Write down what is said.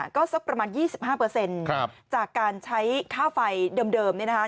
ก็สักประมาณ๒๕จากการใช้ค่าไฟเดิมนะครับ